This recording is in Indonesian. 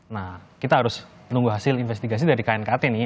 nah kita harus menunggu hasil investigasi dari knkt nih